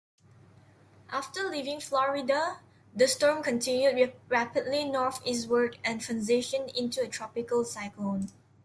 After leaving Florida, the storm continued rapidly northeastward and transitioned into a tropical cyclone.